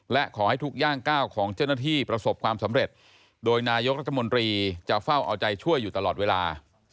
และขอให้ทุกย่างก้าวของเจ้าหน้าที่ประสบความสำเร็จโดยนายกรัฐมนตรีจะเฝ้าเอาใจช่วยอยู่ตลอดเวลา